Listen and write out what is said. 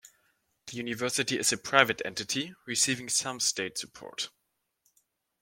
The University is a private entity, receiving some state support.